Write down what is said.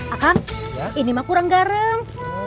akang ini mah kurang garam